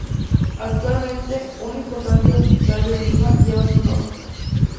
Actualmente, un importante hospital de Lima lleva su nombre.